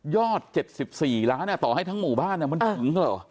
๗๔ล้านต่อให้ทั้งหมู่บ้านมันถึงเหรอ